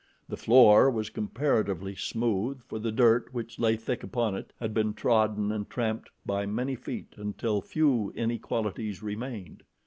The floor was comparatively smooth, for the dirt which lay thick upon it had been trodden and tramped by many feet until few inequalities remained.